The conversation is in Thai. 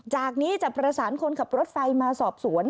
จากนี้จะประสานคนขับรถไฟมาสอบสวน